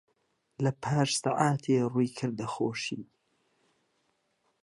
لەپاش سەعاتێ ڕووی کردە خۆشی